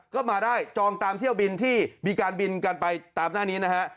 ก็มาได้จองตามเที่ยวบินที่มีการบินกันไปตามหน้านี้นะฮะ